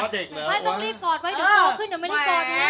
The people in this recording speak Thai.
ด้วยต้องรีบกอดเดี๋ยวเข้าขึ้นแต่ไม่ได้กอดเนี่ยนะ